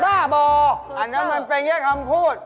บ้าบออันนั้นมันเป็นเยี่ยมคำพูด